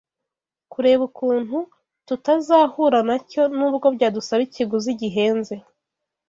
kureba ukuntu tutazahura nacyo n’ubwo byadusaba ikiguzi gihenze